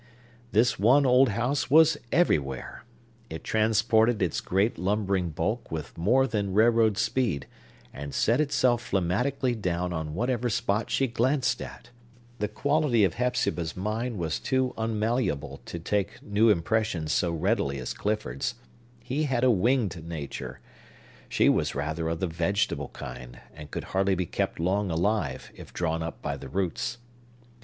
This one old house was everywhere! It transported its great, lumbering bulk with more than railroad speed, and set itself phlegmatically down on whatever spot she glanced at. The quality of Hepzibah's mind was too unmalleable to take new impressions so readily as Clifford's. He had a winged nature; she was rather of the vegetable kind, and could hardly be kept long alive, if drawn up by the roots.